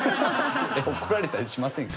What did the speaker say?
怒られたりしませんか？